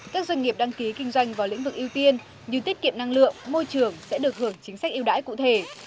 các doanh nghiệp đăng ký kinh doanh vào lĩnh vực ưu tiên như tiết kiệm năng lượng môi trường sẽ được hưởng chính sách yêu đãi cụ thể